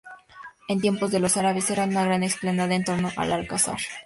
En tiempos de los árabes era una gran explanada en torno al alcázar.